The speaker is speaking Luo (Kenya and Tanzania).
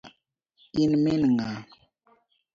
In min ng'a?